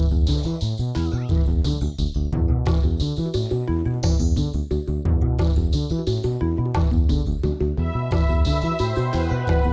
merekablearet dan harga perlu dicatat dan kecuali